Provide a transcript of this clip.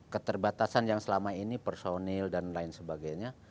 keterbatasan yang selama ini personil dan lain sebagainya